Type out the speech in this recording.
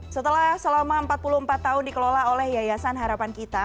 setelah selama empat puluh empat tahun dikelola oleh yayasan harapan kita